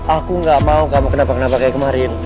aku gak mau kamu kenapa kenapa kayak kemarin